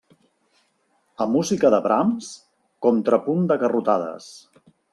A música de brams, contrapunt de garrotades.